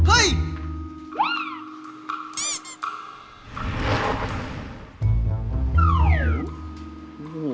โอ้โห